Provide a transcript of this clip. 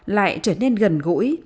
lại trở nên gần gũi